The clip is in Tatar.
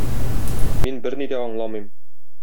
Мин берни дә аңламыйм...